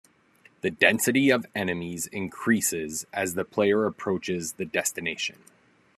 The density of enemies increases as the player approaches the destination.